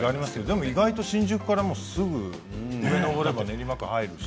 でも意外と新宿からもすぐ練馬区に入るし。